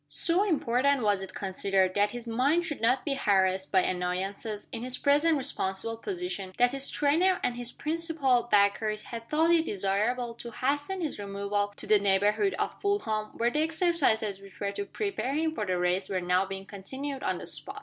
So important was it considered that his mind should not be harassed by annoyances, in his present responsible position, that his trainer and his principal backers had thought it desirable to hasten his removal to the neighborhood of Fulham where the exercises which were to prepare him for the race were now being continued on the spot.